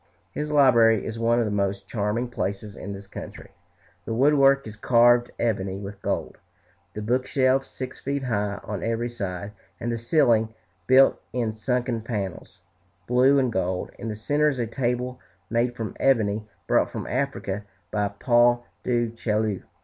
His library is one of the most charming places in this country. The wood work is carved ebony with gold, the bookshelves six feet high on every side, and the ceiling built in sunken panels, blue and gold. In the centre is a table made from ebony, brought from Africa by Paul du Chaillu.